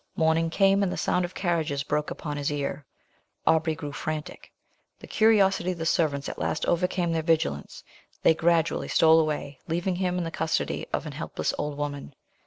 Morning came, and the sound of carriages broke upon his ear. Aubrey grew almost frantic. The curiosity of the servants at last overcame their vigilance, they gradually stole away, leaving him in the custody of an helpless old woman.